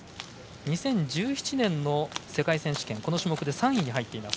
２０１７年の世界選手権この種目で３位に入っています。